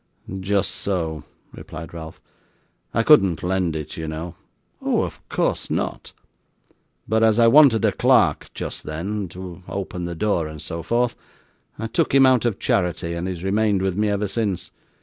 'Just so,' replied Ralph; 'I couldn't lend it, you know.' 'Oh, of course not.' 'But as I wanted a clerk just then, to open the door and so forth, I took him out of charity, and he has remained with me ever since.